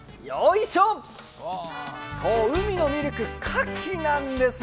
そう、海のミルク、かきなんですね。